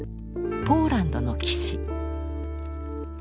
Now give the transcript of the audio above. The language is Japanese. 「ポーランドの騎士」。